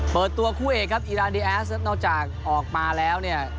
เปิดตัวคู่เอกครับอีรานดีแอสนอกจากออกมาแล้วเนี่ย